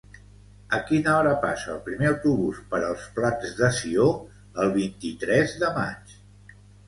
A quina hora passa el primer autobús per els Plans de Sió el vint-i-tres de maig?